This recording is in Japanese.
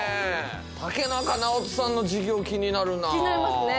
竹中直人さんの授業気になるな気になりますね